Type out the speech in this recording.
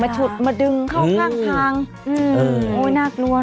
มาชุดมาดึงเข้าข้างทางโอ๊ยน่ากลัวเนอะ